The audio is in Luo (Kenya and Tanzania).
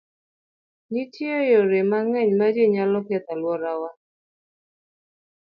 Nitie yore mang'eny ma ji nyalo kethogo alwora.